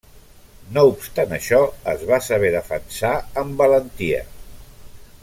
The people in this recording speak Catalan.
No obstant això, es va saber defensar amb valentia.